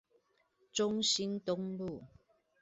中興東路